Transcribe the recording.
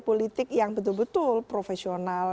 politik yang betul betul profesional